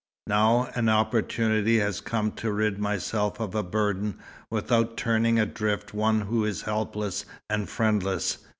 Now an opportunity has come to rid myself of a burden, without turning adrift one who is helpless and friendless.